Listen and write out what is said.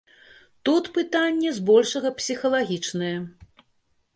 Тут пытанне збольшага псіхалагічнае.